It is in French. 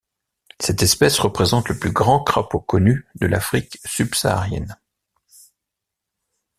Cette espèce représente le plus grand crapaud connu de l'Afrique subsaharienne.